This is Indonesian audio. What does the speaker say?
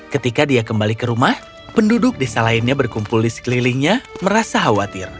ketika dia kembali ke rumah penduduk desa lainnya berkumpul di sekelilingnya merasa khawatir